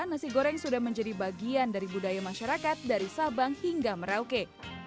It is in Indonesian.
nasi goreng sudah menjadi bagian dari budaya masyarakat dari sabang hingga merauke